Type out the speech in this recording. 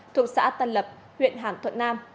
thuộc xã tân lập huyện hàm thuận nam